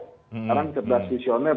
sekarang cerdas visioner